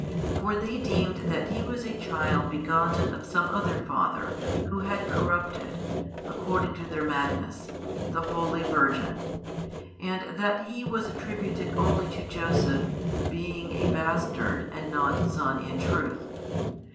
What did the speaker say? For they deemed that He was a child begotten of some other father who had corrupted (according to their |638 madness) the holy Virgin, and that He was attributed only to Joseph, being a bastard and not son in truth.